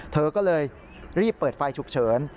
เธอก็เลยรีบเปิดไฟฉุกเฉิน